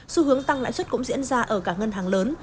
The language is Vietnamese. xu hướng tăng lãi suất cũng diễn ra ở cả ngân hàng lớn